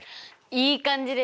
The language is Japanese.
いい感じです。